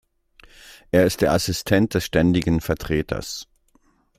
Er ist der Assistent des Ständigen Vertreters.